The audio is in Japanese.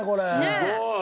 すごい！